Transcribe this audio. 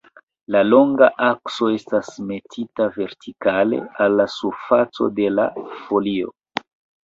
La longa akso estas metita vertikale al la surfaco de la folio.